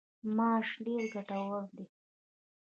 ماش ډیر ګټور دي.